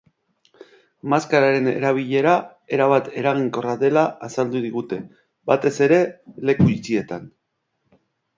Maskararen erabilera erabat eraginkorra dela azaldu digute, batez ere leku itxietan.